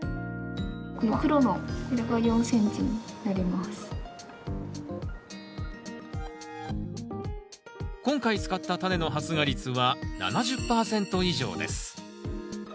この黒の今回使ったタネの発芽率は７０％以上です。